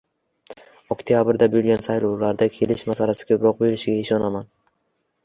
Oktyabrda boʻlgan saylovlarda kelish masalasi koʻproq boʻlishiga ishonaman.